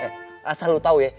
eh asal lu tau ya